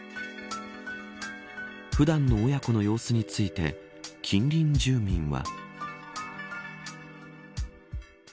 普段の親子の様子について近隣住民は。